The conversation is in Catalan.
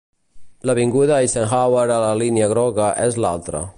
L'Avinguda Eisenhower a la Línia groga és l'altre.